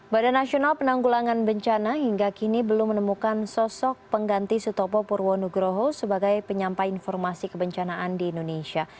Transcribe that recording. badan nasional penanggulangan bencana hingga kini belum menemukan sosok pengganti sutopo purwonugroho sebagai penyampai informasi kebencanaan di indonesia